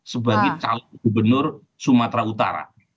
sebagai calon gubernur sumatera utara